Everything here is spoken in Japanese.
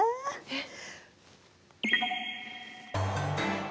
えっ？